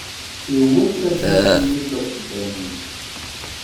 Iwet tawwurt-nni s uqeddami.